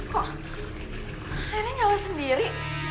kok airnya nyala sendiri